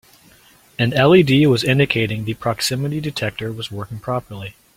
An LED was indicating the proximity detector was working properly.